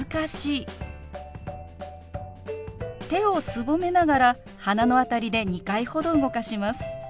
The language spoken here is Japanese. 手をすぼめながら鼻の辺りで２回ほど動かします。